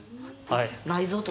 はい。